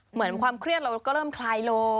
เหมือนความเครียดเราก็เริ่มคลายลง